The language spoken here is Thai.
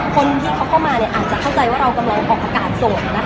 คนที่เข้ามาจะเข้าใจว่าเรากำลังวอกอากาศส่วน